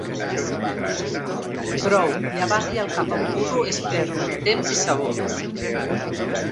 Prou; llavar-li el cap a un burro és perdre temps i sabó.